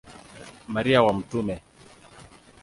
Maria wa Mt.